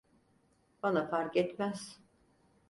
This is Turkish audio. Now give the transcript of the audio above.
Bana fark etmez.